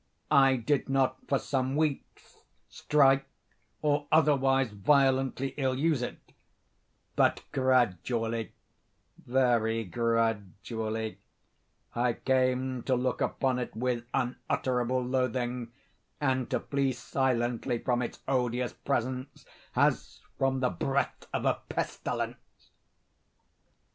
I did not, for some weeks, strike, or otherwise violently ill use it; but gradually—very gradually—I came to look upon it with unutterable loathing, and to flee silently from its odious presence, as from the breath of a pestilence.